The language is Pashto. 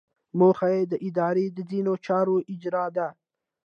موخه یې د ادارې د ځینو چارو اجرا ده.